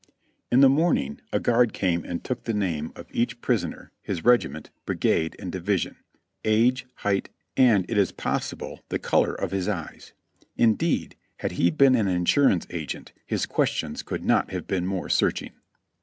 In the morning a guard came and took the name of each pris oner, his regiment, brigade and division, age, height, and it is possible the color of his eyes; indeed, had he been an insurance agent his questions could not have been more searching.